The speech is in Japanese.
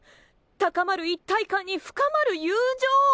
高まる一体感に深まる友情！